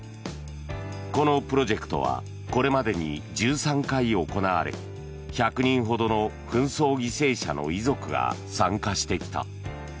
このプロジェクトはこれまでに１３回行われ１００人ほどの紛争犠牲者の遺族が参加してきた。